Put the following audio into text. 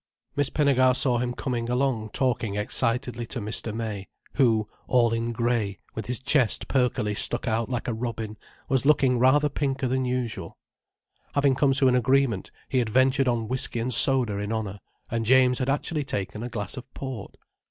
Miss Pinnegar saw him coming along talking excitedly to Mr. May, who, all in grey, with his chest perkily stuck out like a robin, was looking rather pinker than usual. Having come to an agreement, he had ventured on whiskey and soda in honour, and James had actually taken a glass of port.